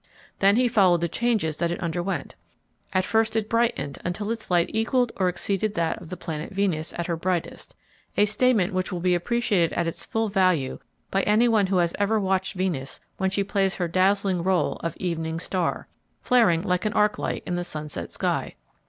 Then he followed the changes that it underwent. At first it brightened until its light equaled or exceeded that of the planet Venus at her brightest, a statement which will be appreciated at its full value by anyone who has ever watched Venus when she plays her dazzling rôle of "Evening Star," flaring like an arc light in the sunset sky.